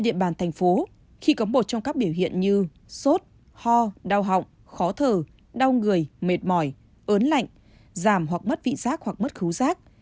thành phố khi có một trong các biểu hiện như sốt ho đau họng khó thở đau người mệt mỏi ớn lạnh giảm hoặc mất vị giác hoặc mất khứu giác